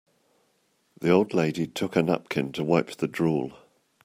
The old lady took her napkin to wipe the drool.